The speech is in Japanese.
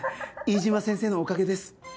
飯島先生のおかげです。